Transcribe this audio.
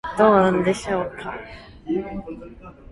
今次真係中晒伏，瀨晒撻